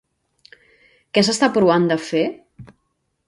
Què s'està provant de fer?